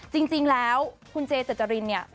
จริงแล้วคุณเจจจริน